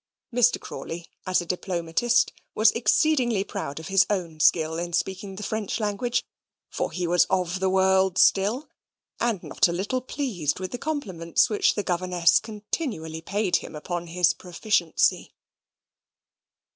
Mr. Crawley, as a diplomatist, was exceedingly proud of his own skill in speaking the French language (for he was of the world still), and not a little pleased with the compliments which the governess continually paid him upon his proficiency.